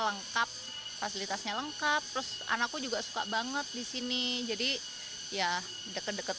lengkap fasilitasnya lengkap terus anakku juga suka banget disini jadi ya deket deket